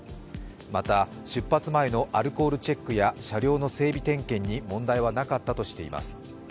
また出発前のアルコールチェックや、車両の整備点検に問題はなかったとしています。